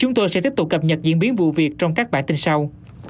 chúng tôi sẽ tiếp tục cập nhật diễn biến vụ việc trong các bản tin sau